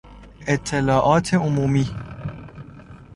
اطلاعات عمومی